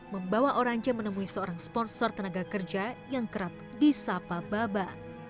membawa orange menemui seorang sponsor tenaga kerja yang kerap disapa baba